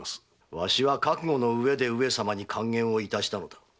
わしは覚悟の上で上様に諌言を致したのだ。